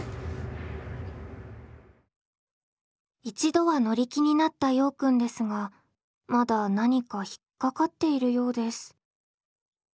一度は乗り気になったようくんですがまだ何か引っ掛かっているようです。